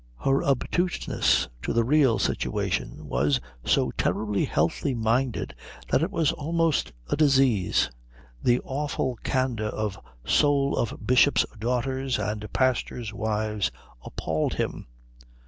Her obtuseness to the real situation was so terribly healthy minded that it was almost a disease; the awful candour of soul of bishops' daughters and pastors' wives appalled him.